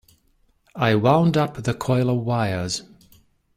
I wound up the coil of wires.